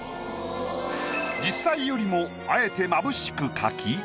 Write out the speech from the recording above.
実際よりもあえて眩しく描き